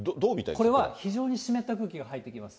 これは非常に湿った空気が入ってきます。